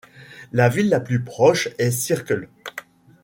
La ville la plus proche est Circle.